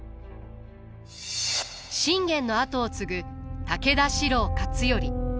信玄の後を継ぐ武田四郎勝頼。